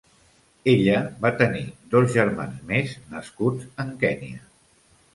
Ella va tenir dos germans més nascuts en Kenya.